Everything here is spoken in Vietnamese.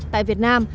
tại việt nam